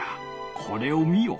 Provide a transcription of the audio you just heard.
これを見よ。